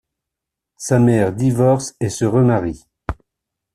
Sa mère divorce et se remarie.